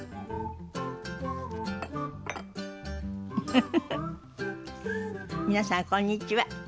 フフフフ皆さんこんにちは。